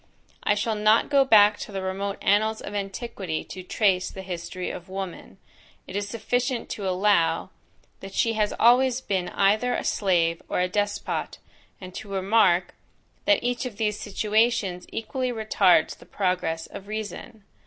I shall not go back to the remote annals of antiquity to trace the history of woman; it is sufficient to allow, that she has always been either a slave or a despot, and to remark, that each of these situations equally retards the progress of reason.